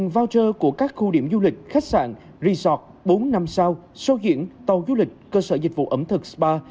voucher của các khu điểm du lịch khách sạn resort bốn năm sao show diễn tàu du lịch cơ sở dịch vụ ẩm thực spa